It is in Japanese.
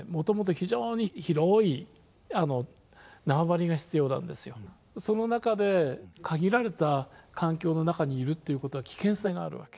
イリオモテヤマネコっていうのはその中で限られた環境の中にいるっていうことは危険性があるわけ。